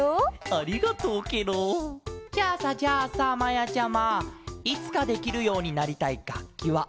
ありがとうケロ！じゃあさじゃあさまやちゃまいつかできるようになりたいがっきはあるケロ？